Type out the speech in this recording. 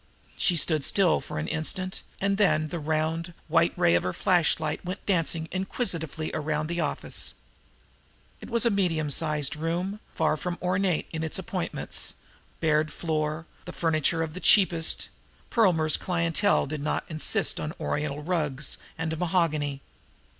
She stood still for an instant, and then the round, white ray of her flashlight went dancing inquisitively around the office. It was a medium sized room, far from ornate in its appointments, bare floored, the furniture of the cheapest Perlmer's clientele did not insist on oriental rugs and mahogany!